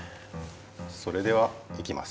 それではいきます。